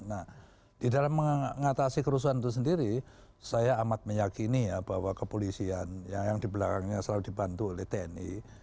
nah di dalam mengatasi kerusuhan itu sendiri saya amat meyakini ya bahwa kepolisian yang di belakangnya selalu dibantu oleh tni